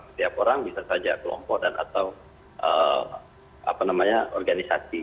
setiap orang bisa saja kelompok dan atau organisasi